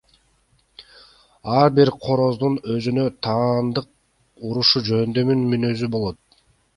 Ар бир короздун өзүнө таандык урушуу жөндөмү, мүнөзү болот.